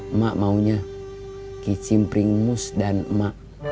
emak maunya kicimpring mus dan emak